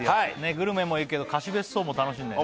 グルメもいいけど貸別荘も楽しいんだよね